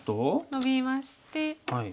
ノビまして。